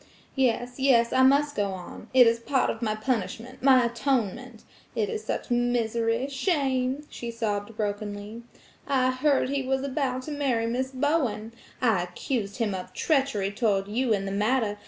"Yes, yes, I must go on. It is part of my punishment–my atonement! It is such misery, shame!" she sobbed brokenly. "I heard he was about to marry Miss Bowen. I accused him of treachery toward you in the matter.